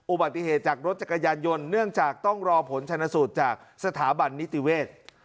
อุบัติเหตุจากรถจักรยานยนต์เนื่องจากต้องรอผลชนสูตรจากสถาบันนิติเวศ